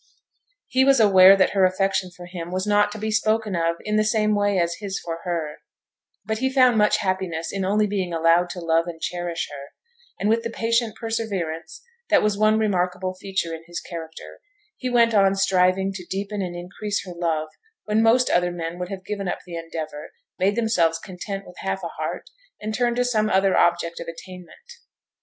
He was aware that her affection for him was not to be spoken of in the same way as his for her, but he found much happiness in only being allowed to love and cherish her; and with the patient perseverance that was one remarkable feature in his character, he went on striving to deepen and increase her love when most other men would have given up the endeavour, made themselves content with half a heart, and turned to some other object of attainment.